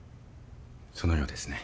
そのようですね。